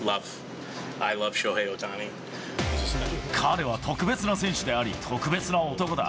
彼は特別な選手であり、特別な男だ。